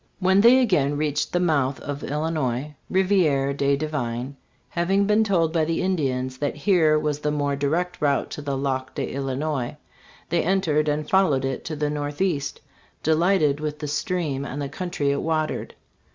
When they again reached the mouth of Illinois (Riviere de Divine)*, hav ing been told by the Indians that here was the more direct route to the Lac des Illinois, they entered and followed it to the northeast, delighted with the stream and the country it watered.